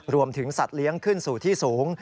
สัตว์เลี้ยงขึ้นสู่ที่สูง